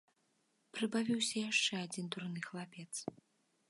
Прыбавіўся яшчэ адзін дурны хлапец.